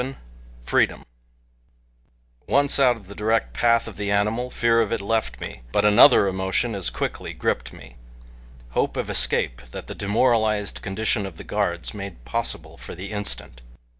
VII FREEDOM ONCE OUT OF THE DIRECT PATH OF THE ANIMAL, fear of it left me, but another emotion as quickly gripped me hope of escape that the demoralized condition of the guards made possible for the instant.